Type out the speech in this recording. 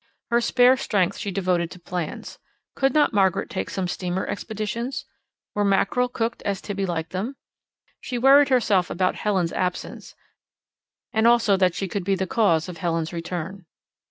Her spare strength she devoted to plans: could not Margaret take some steamer expeditions? were mackerel cooked as Tibby liked them? She worried herself about Helen's absence, and also that she could be the cause of Helen's return.